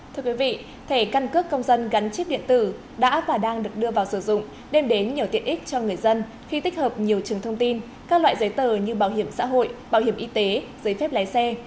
thưa quý vị thẻ căn cước công dân gắn chip điện tử đã và đang được đưa vào sử dụng đem đến nhiều tiện ích cho người dân khi tích hợp nhiều trường thông tin các loại giấy tờ như bảo hiểm xã hội bảo hiểm y tế giấy phép lái xe